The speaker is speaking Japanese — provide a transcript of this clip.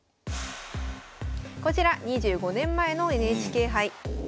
こちら２５年前のＮＨＫ杯。